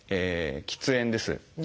喫煙です。